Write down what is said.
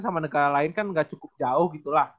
sama negara lain kan nggak cukup jauh gitu lah